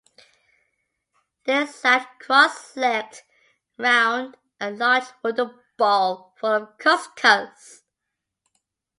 They sat cross-legged round a large wooden bowl full of couscous.